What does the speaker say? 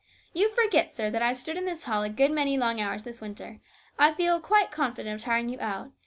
" You forget, sir, that I have stood in this hall a good many long hours this winter. I feel quite confident of tiring you out.